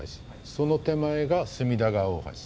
その手前が隅田川大橋。